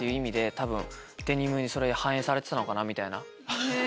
多分デニムにそれが反映されてたのかなぁみたいな。